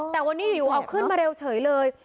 แต่วันนี้อยู่เอาขึ้นมาเร็วเฉยเลย